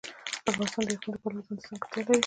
افغانستان د یاقوت د پلوه ځانته ځانګړتیا لري.